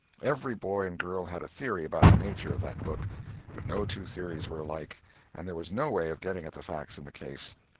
Every boy and girl had a theory about the nature of that book; but no two theories were alike, and there was no way of getting at the facts in the case.